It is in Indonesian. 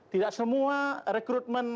tidak semua rekrutmen